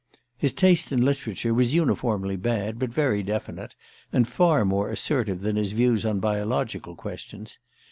His taste in literature was uniformly bad, but very definite, and far more assertive than his views on biological questions.